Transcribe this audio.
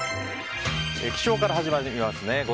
起床から始まりますね。